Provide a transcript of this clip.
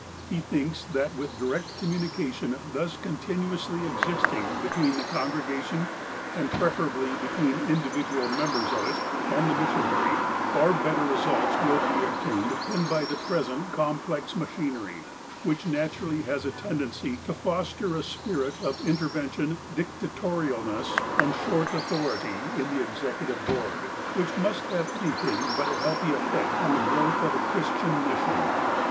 He thinks that with direct communication thus continuously existing between the congregation (and preferably between individual members of it) and the missionary, far better results will be obtained than by the present complex machinery, which naturally has a tendency to foster a spirit of inter vention, dictatorialness, and short authority in the ex ecutive board, which must have anything but a healthy effect on the growth of a Christian mission.